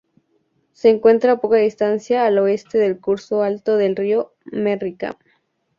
Se encuentra a poca distancia al oeste del curso alto del río Merrimack.